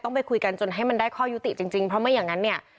ไปคุยกันจนให้มันได้ข้อยุติจริงเพราะไม่อย่างนั้นเนี่ย